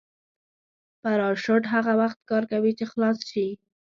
پراشوټ هغه وخت کار کوي چې خلاص شي.